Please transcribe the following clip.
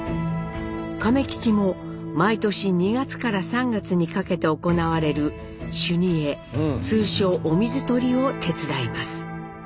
亀吉も毎年２月から３月にかけて行われる修二会通称「お水取り」を手伝います。